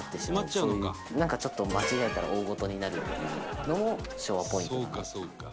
そういう、ちょっと間違えたら大ごとになるっていうのも笑和ポイント。